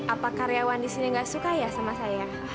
apa karyawan disini enggak suka ya sama saya